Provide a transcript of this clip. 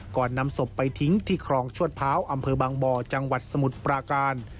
นำศพไปทิ้งที่คลองชวดพร้าวอำเภอบางบ่อจังหวัดสมุทรปราการ